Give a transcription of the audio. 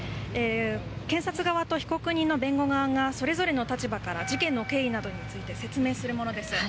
検察側と被告人の弁護人がそれぞれの立場から事件の経緯などについて説明するものです。